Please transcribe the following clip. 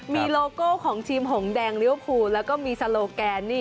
มีโลโก้ของทีมหงแดงเลี้ยวภูแล้วก็มีโซโลแกนนี่